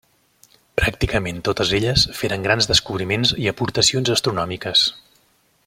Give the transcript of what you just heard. Pràcticament totes elles feren grans descobriments i aportacions astronòmiques.